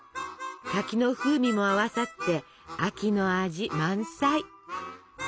柿の風味も合わさって秋の味満載！